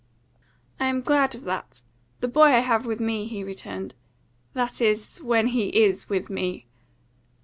"I am glad of that. The boy I have with me," he returned; "that is, when he IS with me."